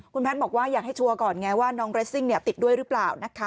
คุณแพทย์บอกว่าอยากให้ชัวร์ก่อนไงว่าน้องเรสซิ่งติดด้วยหรือเปล่านะคะ